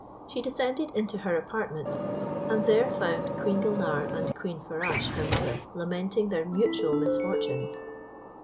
She descended into her apartment, and there found Queen Gulnare and Queen Farasche her mother lamenting their mutual misfortunes.